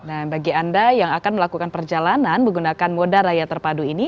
nah bagi anda yang akan melakukan perjalanan menggunakan moda raya terpadu ini